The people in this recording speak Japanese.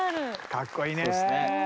かっこいいね。